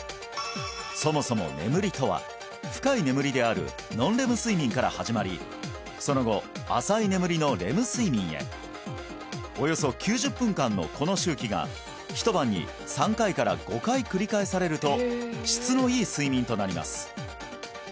そもそも眠りとは深い眠りであるノンレム睡眠から始まりその後浅い眠りのレム睡眠へおよそ９０分間のこの周期が一晩に３回から５回繰り返されると質のいい睡眠となります